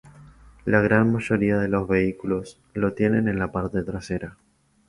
La gran mayoría de los vehículos lo tienen en la parte trasera.